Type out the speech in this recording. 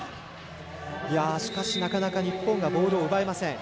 しかし、なかなか日本がボールを奪えません。